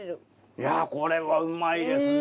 いやこれはうまいですね。